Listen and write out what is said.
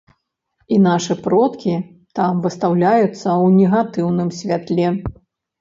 І нашы продкі там выстаўляюцца ў негатыўным святле.